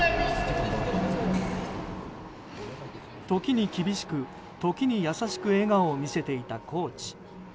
時に厳しく時に優しく笑顔を見せていたコーチ。